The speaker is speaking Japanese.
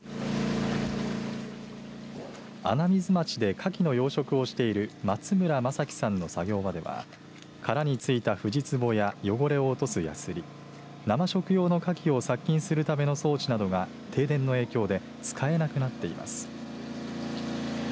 穴水町でかきの養殖をしている松村政揮さんの作業場では空についたフジツボや汚れを落とすやすり生食用のかきを殺菌するための装置などが停電の影響で使えなくなっています。